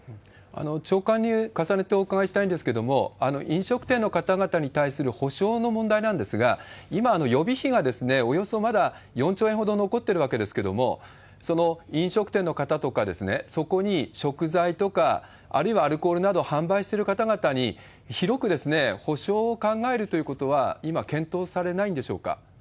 長官に重ねてお伺いしたいんですけれども、飲食店の方々に対する補償の問題なんですが、今、予備費がおよそまだ４兆円ほど残ってるわけですけれども、その飲食店の方とか、そこに食材とか、あるいはアルコールなど販売してる方々に広く補償を考えるということは今、検討されないんでしょうか？